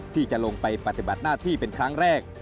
ที่จะลงไปปฏิบัติหน้าที่เป็นครั้งแรก